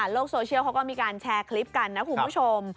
โซเชียลเขาก็มีการแชร์คลิปกันนะคุณผู้ชม